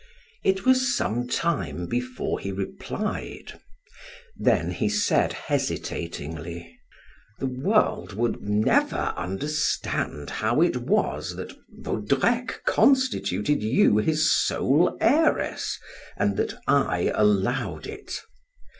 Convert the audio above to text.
It was some time before he replied; then he said hesitatingly: "The world would never understand how it was that Vaudrec constituted you his sole heiress and that I allowed it.